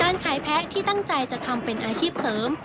การขายแพ้ที่ตั้งใจจะทำเป็นอาชีพเสริม